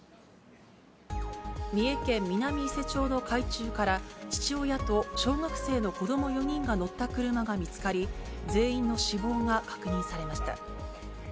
三重県南伊勢町の海中から父親と小学生の子ども４人が乗った車が見つかり、全員の死亡が確認されました。